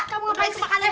kamu udah isi makan aja nih